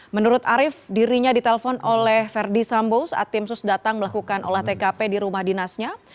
menurut arief dirinya ditelepon oleh verdi sambo saat tim sus datang melakukan olah tkp di rumah dinasnya